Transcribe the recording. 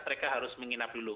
mereka harus menginap dulu